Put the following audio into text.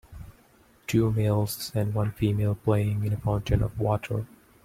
Two males and one female playing in a fountain of water.